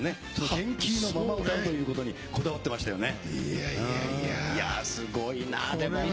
原キーのまま歌うことにこだわってましたよね。